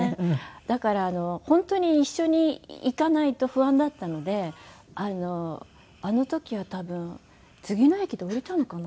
だから本当に一緒に行かないと不安だったのであの時は多分次の駅で降りたのかな？